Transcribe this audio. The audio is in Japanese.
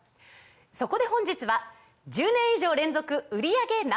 そこで本日は１０年以上連続売り上げＮｏ．１